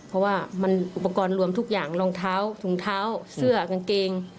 เพราะว่ามันอุปกรณ์รวมทุกอย่างรองเท้าถุงเท้าเสื้อกางเกง